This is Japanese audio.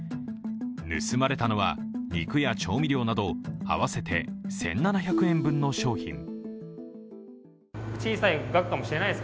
盗まれたのは肉や調味料など合わせて１７００円分の商品。